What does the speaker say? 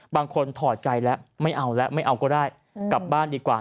ถอดใจแล้วไม่เอาแล้วไม่เอาก็ได้กลับบ้านดีกว่า